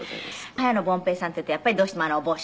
早野凡平さんっていうとやっぱりどうしてもあのお帽子。